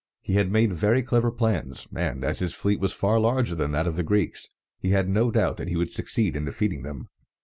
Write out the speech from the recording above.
He had made very clever plans, and, as his fleet was far larger than that of the Greeks, he had no doubt that he would succeed in defeating them.